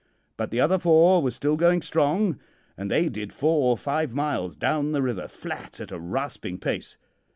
But the other four were still going strong, and they did four or five miles down the river flat at a rasping pace.